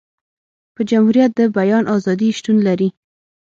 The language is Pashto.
په جمهوريت د بیان ازادي شتون لري.